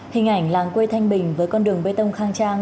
hình ảnh làng quê thanh bình với con đường bê tông khang trang